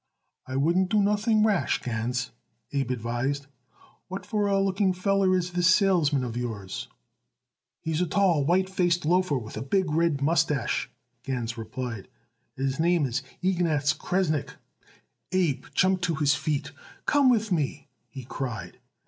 "I wouldn't do nothing rash, Gans," Abe advised. "What for a looking feller is this salesman of yours?" "He's a tall, white faced loafer with a big red mustache," Gans replied, "and his name is Ignatz Kresnick." Abe jumped to his feet. "Come with me," he cried.